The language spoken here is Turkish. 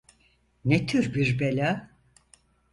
Ne tür bir bela?